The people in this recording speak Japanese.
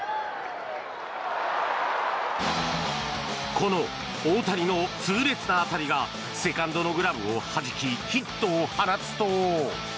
この大谷の痛烈な当たりがセカンドのグラブをはじきヒットを放つと。